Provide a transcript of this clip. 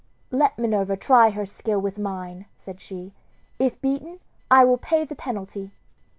"Let Minerva try her skill with mine," said she; "if beaten I will pay the penalty."